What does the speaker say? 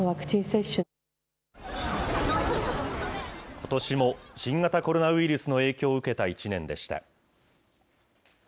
ことしも新型コロナウイルスの影響を受けた１年でした。